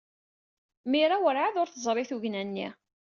Mira werɛad ur teẓri tugna-nni.